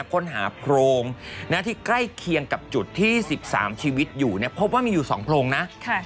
ค้นหาโพรงที่ใกล้เคียงกับจุดที่๑๓ชีวิตอยู่พบว่ามีอยู่๒โพรงนะ